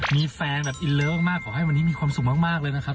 มีแฟนแบบอินเลิฟมากขอให้วันนี้มีความสุขมากเลยนะครับ